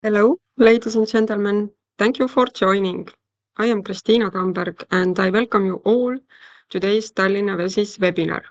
Hello, ladies and gentlemen. Thank you for joining. I am Kristiina Tamberg, and I welcome you all to today's Tallinna Vesi's Webinar.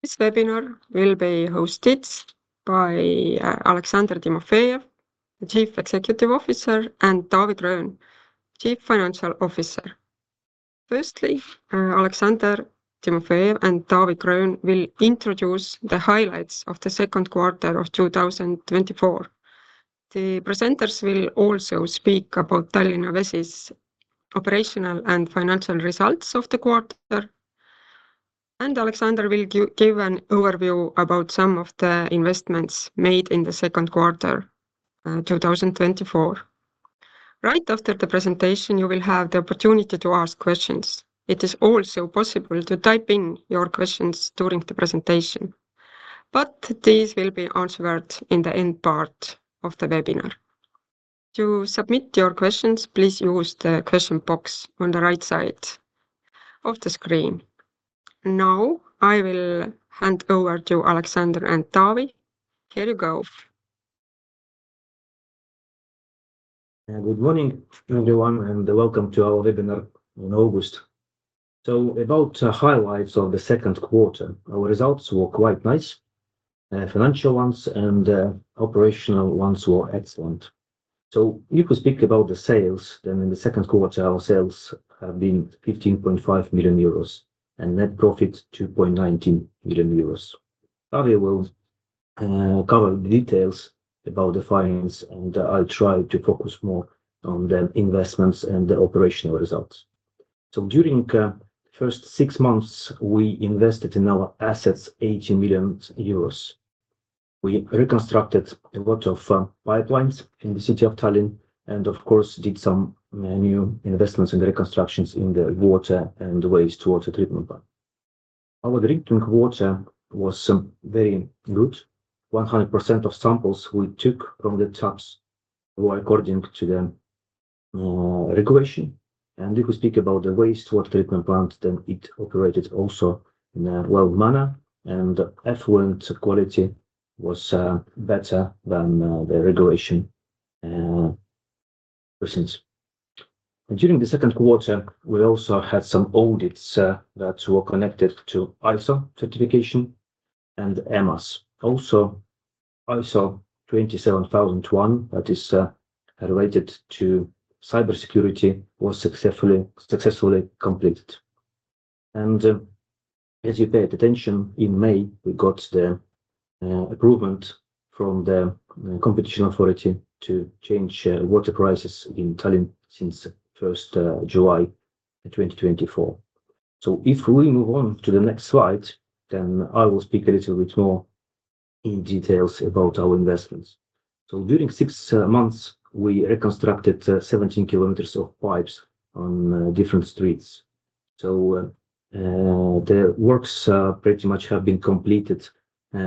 This webinar will be hosted by Aleksandr Timofejev, the Chief Executive Officer, and Taavi Gröön, Chief Financial Officer. Firstly, Aleksandr Timofejev and Taavi Gröön will introduce the highlights of the Q2 of 2024. The presenters will also speak about Tallinna Vesi's operational and financial results of the quarter, and Aleksandr will give an overview about some of the investments made in the Q2, 2024. Right after the presentation, you will have the opportunity to ask questions. It is also possible to type in your questions during the presentation, but these will be answered in the end part of the webinar. To submit your questions, please use the question box on the right side of the screen. Now, I will hand over to Aleksandr and Taavi. Here you go. Good morning, everyone, and welcome to our webinar in August. About the highlights of the Q2, our results were quite nice, financial ones and operational ones were excellent. If we speak about the sales, then in the Q2, our sales have been 15.5 million euros, and net profit 2.19 million euros. Taavi will cover the details about the finance, and I'll try to focus more on the investments and the operational results. During first six months, we invested in our assets 80 million euros. We reconstructed a lot of pipelines in the City of Tallinn, and of course, did some new investments and reconstructions in the water and wastewater treatment plant. Our drinking water was very good. 100% of samples we took from the taps were according to the regulation. If we speak about the wastewater treatment plant, then it operated also in a well manner, and effluent quality was better than the regulation since. During the Q2, we also had some audits that were connected to ISO certification and EMAS. Also, ISO 27001, that is related to cybersecurity, was successfully completed. As you paid attention, in May, we got the approval from the Competition Authority to change water prices in Tallinn since 1 July 2024. If we move on to the next slide, then I will speak a little bit more in details about our investments. During six months, we reconstructed 17km of pipes on different streets. So, the works pretty much have been completed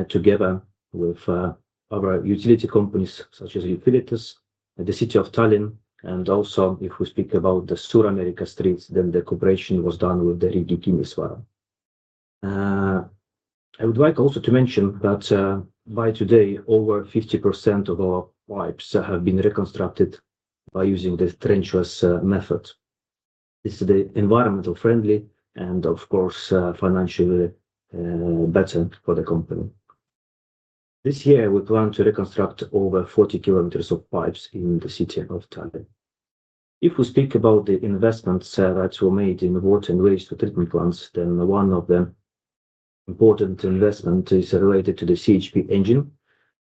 together with other utility companies such as Utilitas and the City of Tallinn. Also, if we speak about the Suur-Ameerika streets, then the cooperation was done with the Riigikantselei. I would like also to mention that, by today, over 50% of our pipes have been reconstructed by using the trenchless method. This is environmental friendly and of course, financially better for the company. This year, we plan to reconstruct over 40km of pipes in the city of Tallinn. If we speak about the investments that were made in water and waste treatment plants, then one of the important investment is related to the CHP engine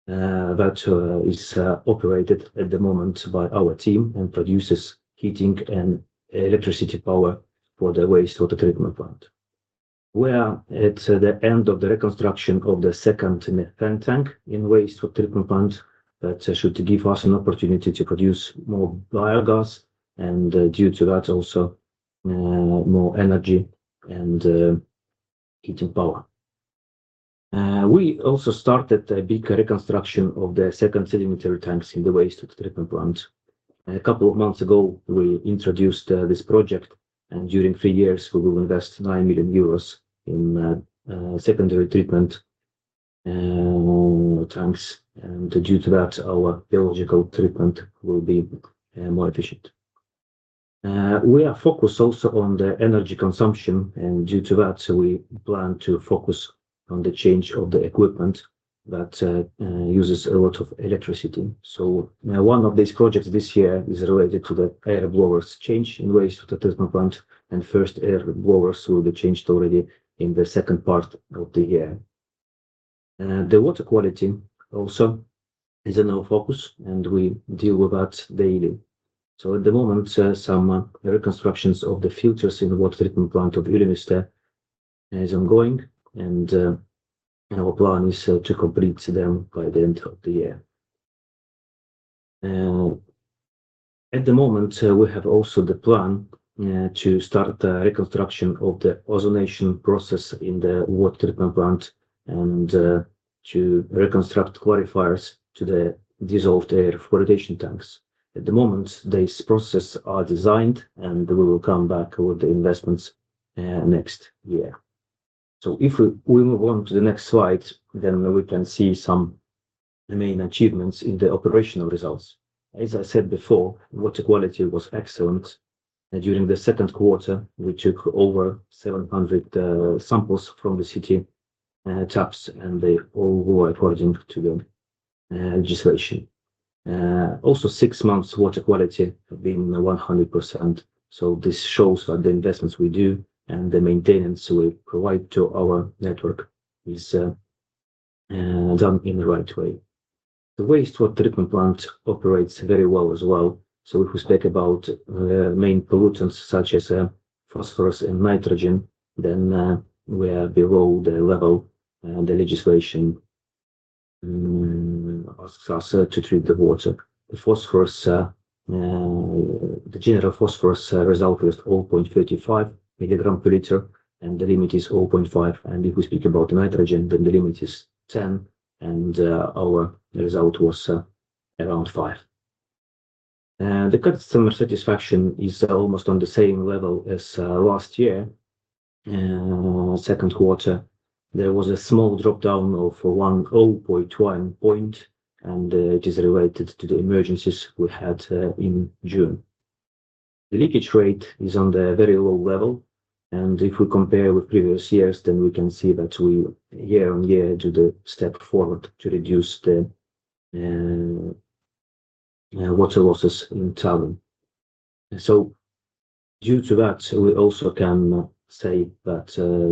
that is operated at the moment by our team and produces heating and electricity power for the wastewater treatment plant. We are at the end of the reconstruction of the second methane tank in wastewater treatment plant. That should give us an opportunity to produce more biogas and, due to that, also, more energy and, heating power. We also started a big reconstruction of the secondary sedimentary tanks in the wastewater treatment plant. A couple of months ago, we introduced this project, and during three years, we will invest 9 million euros in secondary treatment tanks, and due to that, our biological treatment will be more efficient. We are focused also on the energy consumption, and due to that, we plan to focus on the change of the equipment that uses a lot of electricity. So now, one of these projects this year is related to the air blowers change in wastewater treatment plant, and first air blowers will be changed already in the second part of the year. The water quality also is in our focus, and we deal with that daily. At the moment, some reconstructions of the filters in the water treatment plant of Ülemiste is ongoing, and our plan is to complete them by the end of the year. At the moment, we have also the plan to start a reconstruction of the ozonation process in the water treatment plant and to reconstruct clarifiers to the dissolved air flotation tanks. At the moment, these processes are designed, and we will come back with the investments next year. So if we move on to the next slide, then we can see some of the main achievements in the operational results. As I said before, water quality was excellent, and during the Q2, we took over 700 samples from the city taps, and they all were according to the legislation. Also, six months water quality have been 100%, so this shows that the investments we do and the maintenance we provide to our network is done in the right way. The wastewater treatment plant operates very well as well. So if we speak about the main pollutants, such as phosphorus and nitrogen, then we are below the level the legislation asks us to treat the water. The phosphorus, the general phosphorus result was 0.35mg per liter, and the limit is 0.5. If we speak about nitrogen, then the limit is 10, and our result was around five. The customer satisfaction is almost on the same level as last year. Q2, there was a small drop down of 1.01 point, and it is related to the emergencies we had in June. The leakage rate is on the very low level, and if we compare with previous years, then we can see that we year-on-year do the step forward to reduce the water losses in Tallinn. Due to that, we also can say that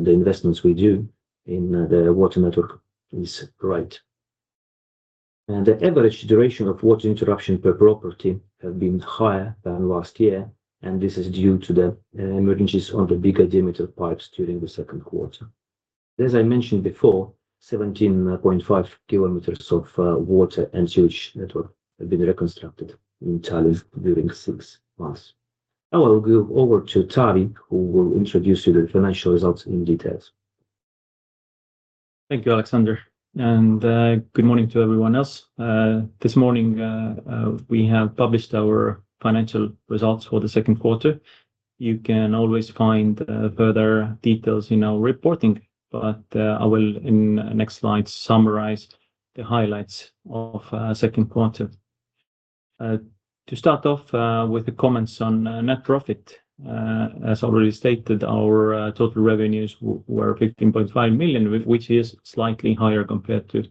the investments we do in the water network is right. And the average duration of water interruption per property have been higher than last year, and this is due to the emergencies on the bigger diameter pipes during the Q2. As I mentioned before, 17.5km of water and sewage network have been reconstructed in Tallinn during six months. Now I will go over to Taavi, who will introduce you the financial results in details. Thank you, Aleksandr, and good morning to everyone else. This morning, we have published our financial results for the Q2. You can always find further details in our reporting, but I will, in next slide, summarize the highlights of Q2. To start off, with the comments on net profit, as already stated, our total revenues were 15.5 million, which is slightly higher compared to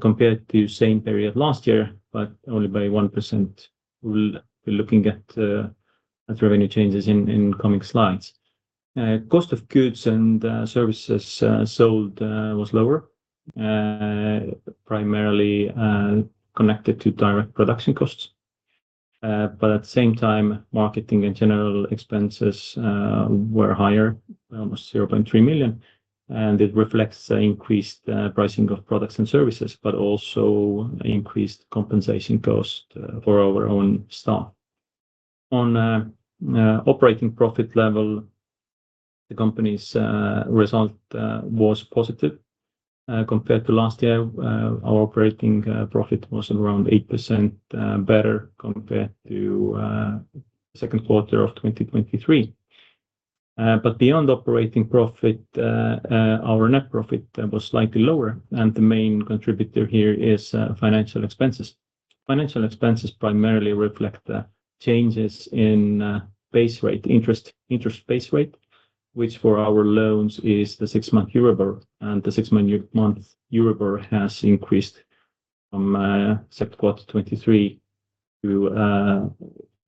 compared to same period last year, but only by 1%. We'll be looking at revenue changes in coming slides. Cost of goods and services sold was lower, primarily connected to direct production costs. But at the same time, marketing and general expenses were higher, almost 0.3 million, and it reflects the increased pricing of products and services, but also increased compensation cost for our own staff. On operating profit level, the company's result was positive. Compared to last year, our operating profit was around 8% better compared to Q2 of 2023. But beyond operating profit, our net profit was slightly lower, and the main contributor here is financial expenses. Financial expenses primarily reflect the changes in base rate, interest, interest base rate, which for our loans is the six-month EURIBOR, and the six-month EURIBOR has increased from Q2 2023 to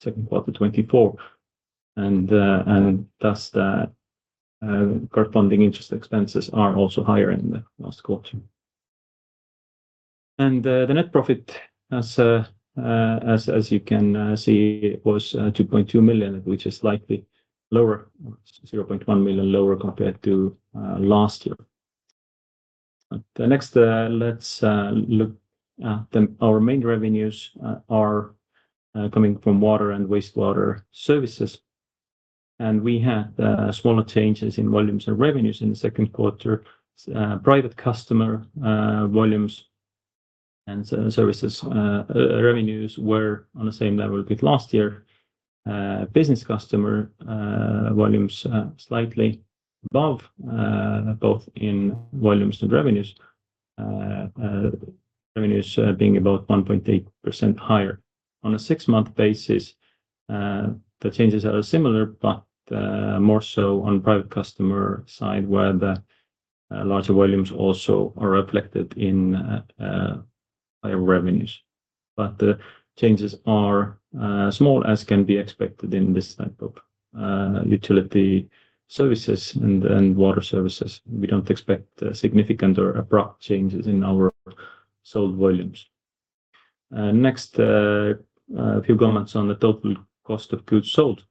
Q2 2024. And thus, the corresponding interest expenses are also higher in the last quarter. And, the net profit, as you can see, was 2.2 million, which is slightly lower, 0.1 million lower compared to last year. But next, let's look at them. Our main revenues are coming from water and wastewater services, and we had smaller changes in volumes and revenues in the Q2. Private customer volumes and services revenues were on the same level with last year. Business customer volumes slightly above both in volumes and revenues being about 1.8% higher. On a six-month basis, the changes are similar, but more so on private customer side, where the larger volumes also are reflected in higher revenues. But the changes are small, as can be expected in this type of utility services and water services. We don't expect significant or abrupt changes in our sold volumes. Next, a few comments on the total cost of goods sold.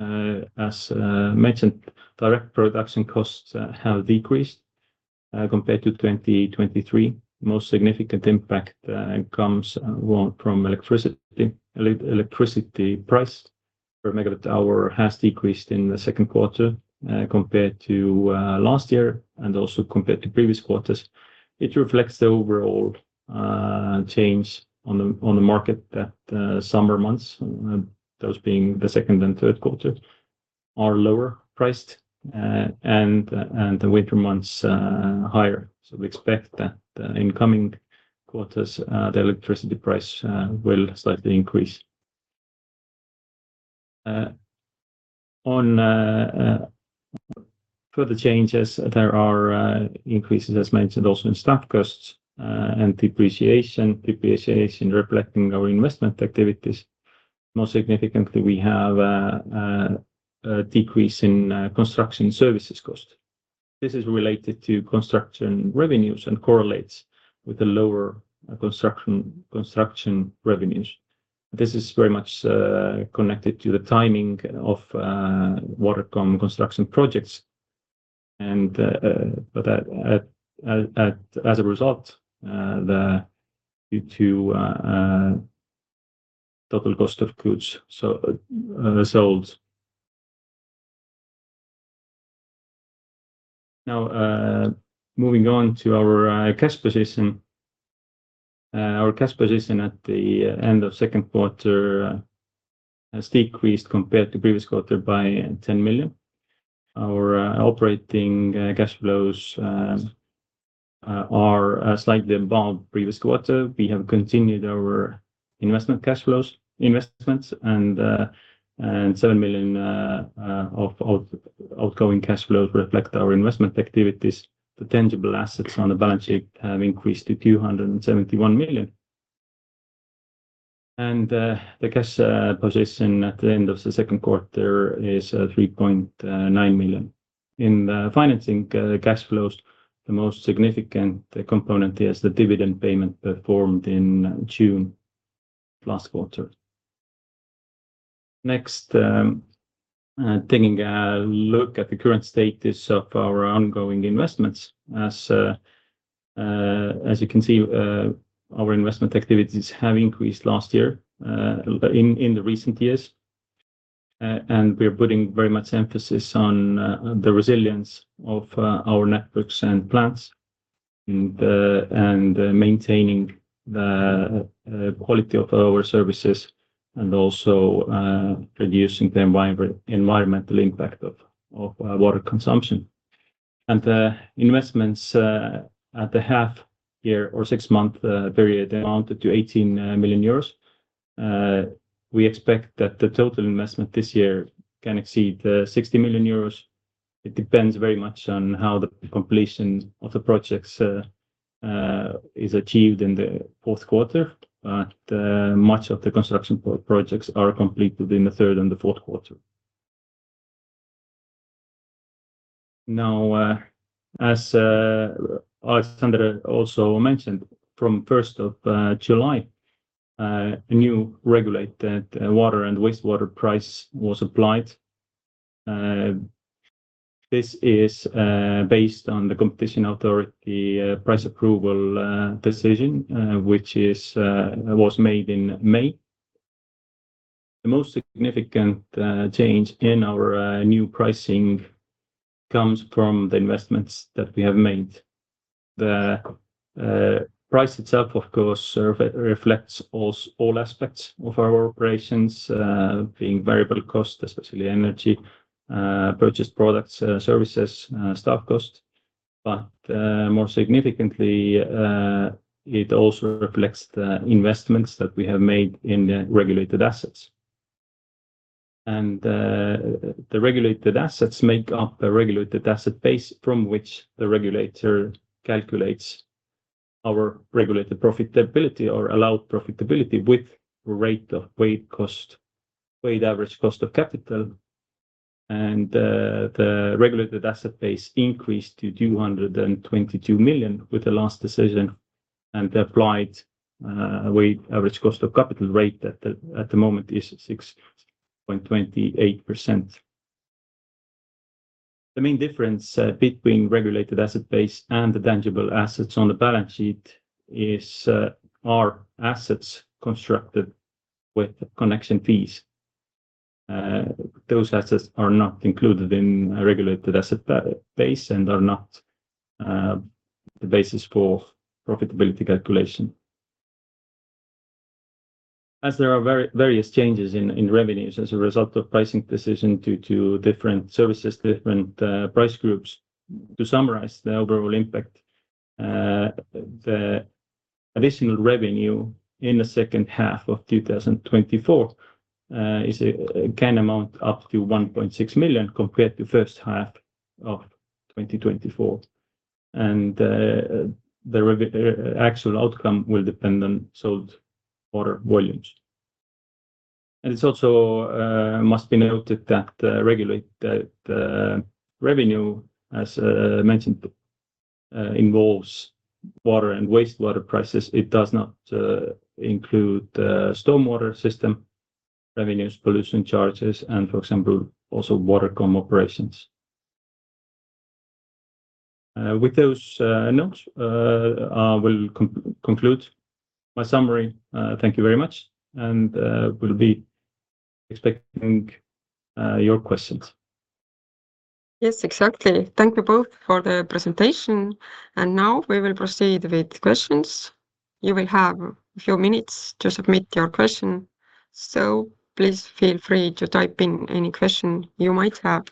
As mentioned, direct production costs have decreased compared to 2023. Most significant impact comes from electricity. Electricity price per megawatt hour has decreased in the Q2 compared to last year and also compared to previous quarters. It reflects the overall change on the market that summer months, those being the Q2 and Q3. are lower priced, and the winter months higher. So we expect that in coming quarters, the electricity price will slightly increase. On further changes, there are increases, as mentioned, also in staff costs and depreciation. Depreciation reflecting our investment activities. Most significantly, we have a decrease in construction services cost. This is related to construction revenues and correlates with the lower construction revenues. This is very much connected to the timing of Watercom construction projects, and but that as a result the due to total cost of goods so sold. Now, moving on to our cash position. Our cash position at the end of Q2 has decreased compared to previous quarter by 10 million. Our operating cash flows are slightly above previous quarter. We have continued our investment cash flows, investments, and and 7 million of outgoing cash flows reflect our investment activities. The tangible assets on the balance sheet have increased to 271 million. The cash position at the end of the Q2 is 3.9 million. In the financing cash flows, the most significant component is the dividend payment performed in June last quarter. Next, taking a look at the current status of our ongoing investments. As you can see, our investment activities have increased last year, in the recent years, and we're putting very much emphasis on the resilience of our networks and plants, and maintaining the quality of our services and also reducing the environmental impact of water consumption. The investments at the half year or six-month period amounted to 18 million euros. We expect that the total investment this year can exceed 60 million euros. It depends very much on how the completion of the projects is achieved in the Q4, but much of the construction projects are completed in the Q3 and the Q4. Now, as Aleksandr also mentioned, from first of July, a new regulated water and wastewater price was applied. This is based on the Competition Authority price approval decision, which was made in May. The most significant change in our new pricing comes from the investments that we have made. The price itself, of course, reflects all aspects of our operations, being variable cost, especially energy, purchased products, services, staff cost. But, more significantly, it also reflects the investments that we have made in the regulated assets. The regulated assets make up a Regulated Asset Base from which the regulator calculates our regulated profitability or allowed profitability with rate of weighted cost, weighted average cost of capital. The Regulated Asset Base increased to 222 million with the last decision, and the applied weighted average cost of capital rate at the moment is 6.28%. The main difference between Regulated Asset Base and the tangible assets on the balance sheet is assets constructed with connection fees. Those assets are not included in a Regulated Asset Base, and are not the basis for profitability calculation. As there are various changes in revenues as a result of pricing decision due to different services, different price groups, to summarise the overall impact, the additional revenue in the H2 of 2024 can amount up to 1.6 million, compared to H1 of 2024. And the rev... Actual outcome will depend on sold water volumes. And it also must be noted that the regulated revenue, as mentioned, involves water and wastewater prices. It does not include stormwater system revenues, pollution charges, and for example, also Watercom operations. With those notes, I will conclude my summary. Thank you very much, and we'll be expecting your questions.... Yes, exactly. Thank you both for the presentation, and now we will proceed with questions. You will have a few minutes to submit your question, so please feel free to type in any question you might have.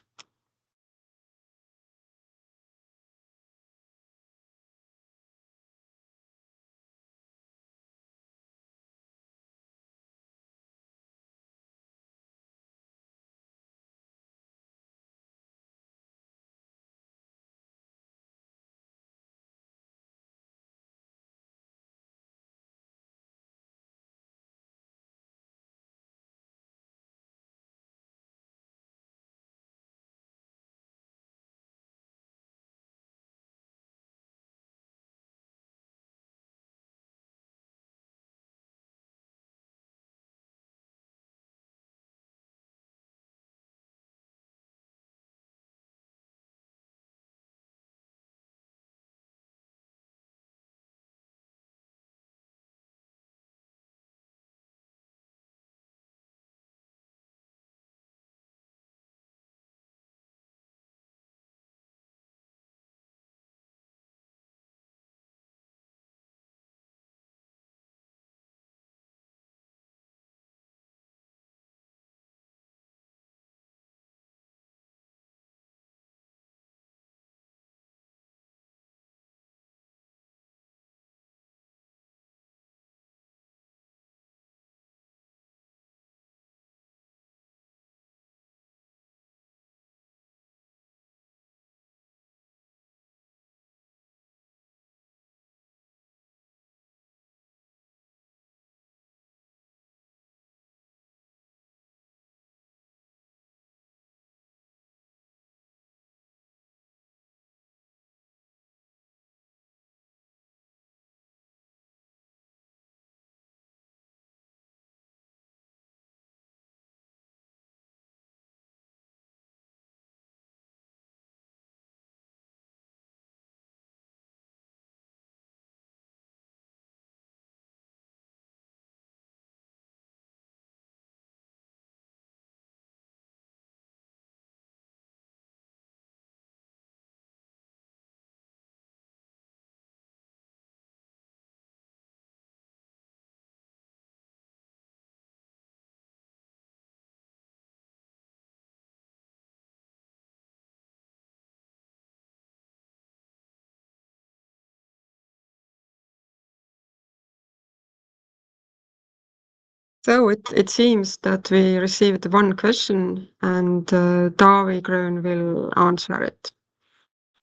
It seems that we received one question, and Taavi Gröön will answer it.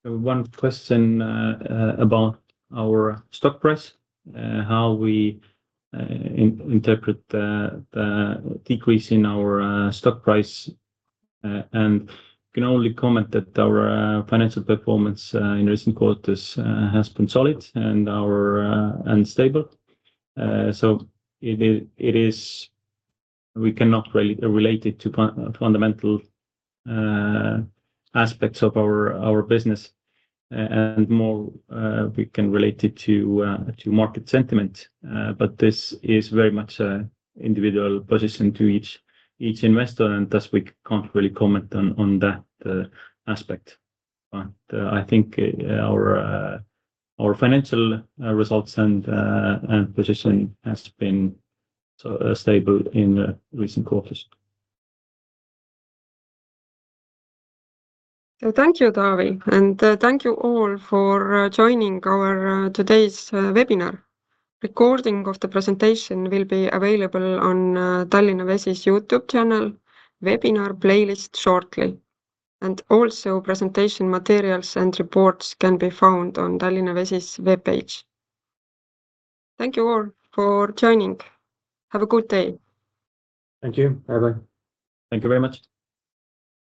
One question about our stock price, how we interpret the decrease in our stock price. And I can only comment that our financial performance in recent quarters has been solid and stable. So it is we cannot relate it to fundamental aspects of our business, and more we can relate it to market sentiment. But this is very much a individual position to each investor, and thus we can't really comment on that aspect. But I think our financial results and positioning has been so stable in the recent quarters. So thank you, Taavi, and thank you all for joining our today's webinar. Recording of the presentation will be available on Tallinna Vesi's YouTube channel webinar playlist shortly. And also presentation materials and reports can be found on Tallinna Vesi's webpage. Thank you all for joining. Have a good day! Thank you. Bye-bye. Thank you very much.